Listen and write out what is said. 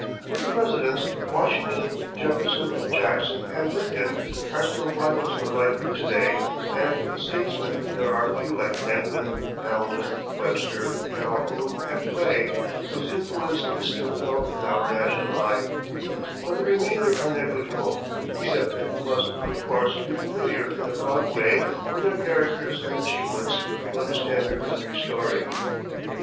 Of the Presidents, Washington, Jefferson, Jackson and Lincoln are still vital to the life of to day, and of the statesmen there are a few, like Franklin, Hamilton, Webster, Calhoun and Clay, whose influence is still felt in our national life, but the remainder are negligible, except that you must, of course, be familiar in a broad way with their characters and achievements to understand your country's story.